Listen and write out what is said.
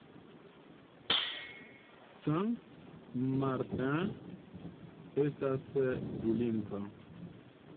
Sankt Martin estas dulingva.